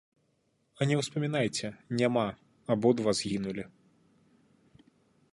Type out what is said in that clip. А не ўспамінайце, няма, абодва згінулі.